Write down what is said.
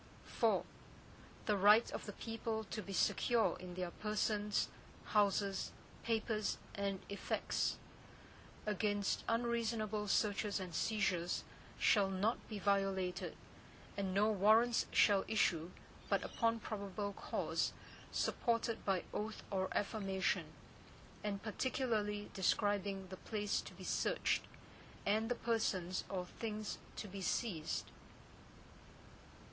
IV The right of the people to be secure in their persons, houses, papers, and effects, against unreasonable searches and seizures, shall not be violated, and no Warrants shall issue, but upon probable cause, supported by oath or affirmation, and particularly describing the place to be searched, and the persons or things to be seized.